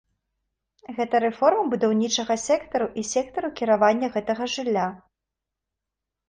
Гэта рэформа будаўнічага сектару і сектару кіравання гэтага жылля.